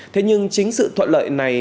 thế nhưng chính sự thuận lợi này